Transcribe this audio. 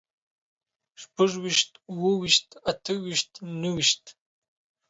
شپږ ويشت، اووه ويشت، اته ويشت، نهه ويشت